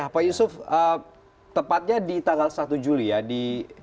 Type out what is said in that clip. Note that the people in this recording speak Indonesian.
pak yusuf tepatnya di tanggal satu juli ya